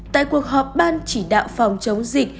tại cuộc họp ban chỉ đạo phòng chống dịch